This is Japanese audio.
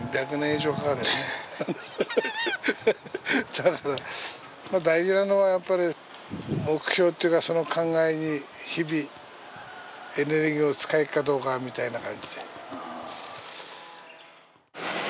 だから大事なのはやっぱり目標というか、その考えに日々エネルギーを使えるかどうかみたいな感じで。